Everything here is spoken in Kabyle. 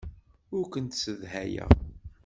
Ur kent-ssedhayeɣ.